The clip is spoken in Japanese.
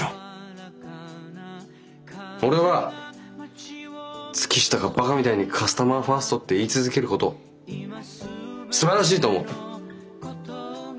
俺は月下がバカみたいにカスタマーファーストって言い続けることすばらしいと思う。